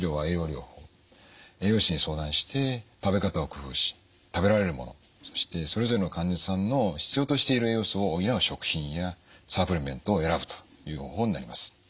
栄養士に相談して食べ方を工夫し食べられるものそしてそれぞれの患者さんの必要としている栄養素を補う食品やサプリメントを選ぶという方法になります。